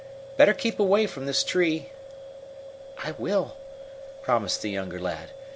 Better keep away from this tree." "I will," promised the younger lad.